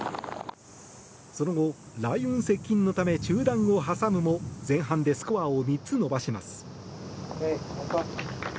その後、雷雲接近のため中断を挟むも前半でスコアを３つ伸ばします。